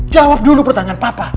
jawab dulu pertanyaan papa